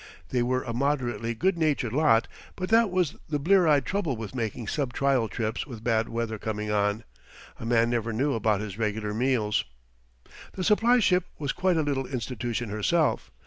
They were a moderately good natured lot; but that was the blear eyed trouble with making sub trial trips with bad weather coming on a man never knew about his regular meals. The supply ship was quite a little institution herself.